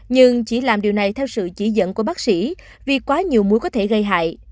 nhưng chỉ làm điều này theo sự chỉ dẫn của bác sĩ vì quá nhiều muối có thể gây hại